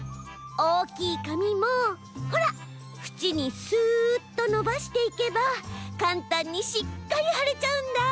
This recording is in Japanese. おおきいかみもほらふちにスッとのばしていけばかんたんにしっかりはれちゃうんだ。